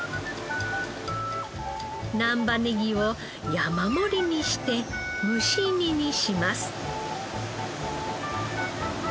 難波ネギを山盛りにして蒸し煮にします。